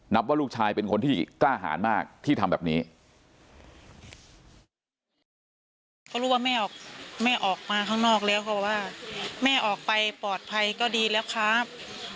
ก็รู้ว่าแม่ออกมาข้างนอกแล้วเขาบอกว่าแม่ออกไปปลอดภัยก็ดีแล้วครับ